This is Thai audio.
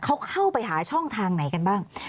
เขาเข้าไปหาช่องทางไหนกันบ้าง